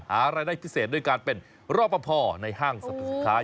หารายได้พิเศษโดยการเป็นรอบภอในห้างสรรพสุขา